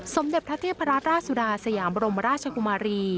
สมเด็จพระเทพราชสุดาสยามบรมราชกุมารี